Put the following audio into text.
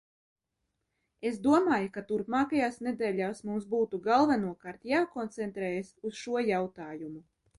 Es domāju, ka turpmākajās nedēļās mums būtu galvenokārt jākoncentrējas uz šo jautājumu.